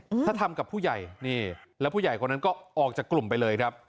ถ้าทำกับผู้ใหญ่นี่แล้วผู้ใหญ่คนนั้นก็ออกจากกลุ่มไปเลยครับ